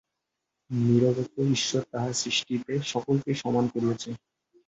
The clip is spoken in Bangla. নিরপেক্ষ ঈশ্বর তাঁহার সৃষ্টিতে সকলকেই সমান করিয়াছেন।